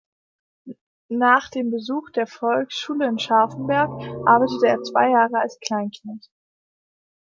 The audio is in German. Nach dem Besuch der Volksschule in Scharfenberg arbeitete er zwei Jahre als Kleinknecht.